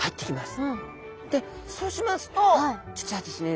でそうしますと実はですね